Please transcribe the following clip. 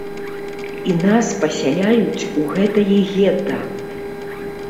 І нас пасяляюць у гэтае гета.